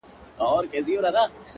هوښیار انسان د تېروتنې تکرار نه کوي